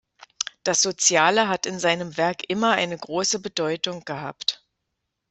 Das Soziale hat in seinem Werk immer eine große Bedeutung gehabt.